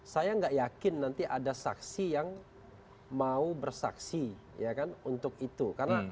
saya nggak yakin nanti ada saksi yang mau bersaksi untuk itu